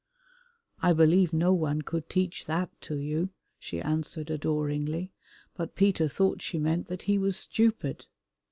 "I believe no one could teach that to you," she answered adoringly, but Peter thought she meant that he was stupid.